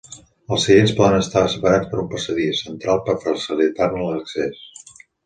Els seients poden estar separats per un passadís central per facilitar-ne l'accés.